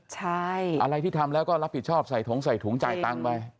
ใช่อะไรที่ทำแล้วก็รับผิดชอบใส่ถุงใส่ถุงจ่ายตังค์ไป